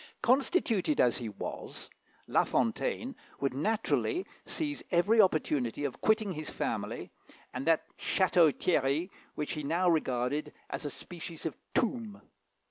Constituted as he was, La Fontaine would naturally seize every opportunity of quitting his family and that Château Thierry which he now regarded as a species of tomb.